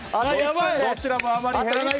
どちらもあまり減らない。